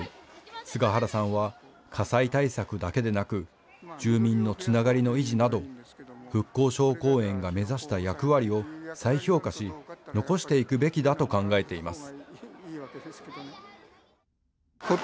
菅原さんは火災対策だけでなく住民のつながりの維持など復興小公園が目指した役割を再評価し、残していくべきだと考えています。